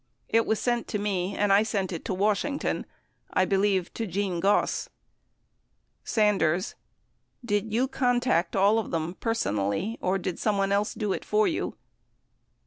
*#It was sent to me and I sent it to Washington. ... I believe to Gene Goss. sje sfc Sanders. Did you contact all of them personally, or did someone else do it for you